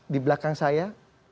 di belakang saya